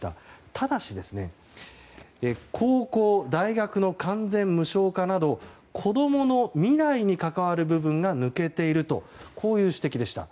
ただし高校・大学の完全無償化など子供の未来に関わる部分が抜けているという指摘でした。